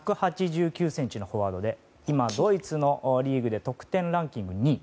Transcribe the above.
１８９ｃｍのフォワードで今、ドイツのリーグで得点ランキング２位。